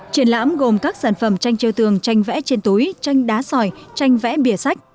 triển lãm gồm các sản phẩm tranh treo tường tranh vẽ trên túi tranh đá sỏi tranh vẽ bìa sách